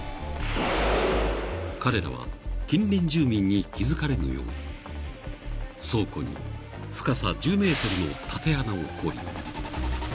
［彼らは近隣住民に気付かれぬよう倉庫に深さ１０ｍの縦穴を掘り］